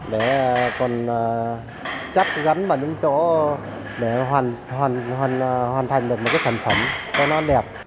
để còn chắc gắn vào những chỗ để hoàn thành được một cái sản phẩm cho nó đẹp